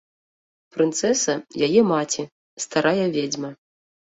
Прынцэса, яе маці, старая ведзьма.